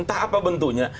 entah apa bentuknya